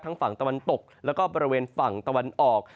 ฝั่งตะวันตกแล้วก็บริเวณฝั่งตะวันออก